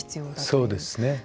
そうですね。